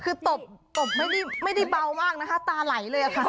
คือตบตบไม่ได้เบามากนะคะตาไหลเลยค่ะ